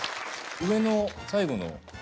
上の最後の。